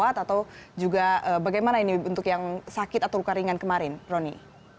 atau juga bagaimana ini untuk yang sakit atau luka ringan kemarin roni